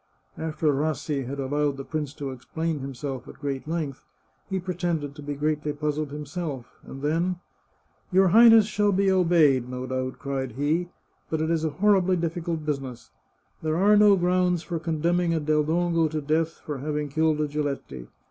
After Rassi had allowed the prince to explain himself at great length, he pretended to be greatly puzzled himself, and then —" Your Highness shall be obeyed, no doubt," cried he. " But it is a horribly difficult business. There are no grounds for condemning a Del Dongo to death for having killed a Giletti.